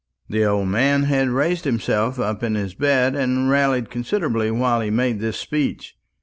The old man had raised himself up in his bed, and rallied considerably while he made this speech.